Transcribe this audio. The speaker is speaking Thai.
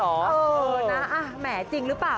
เออนะแหมจริงหรือเปล่า